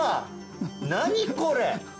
何これ！